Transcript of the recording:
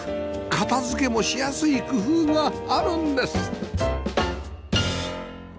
片付けもしやすい工夫があるんです！